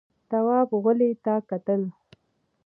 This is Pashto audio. تواب غولي ته کتل….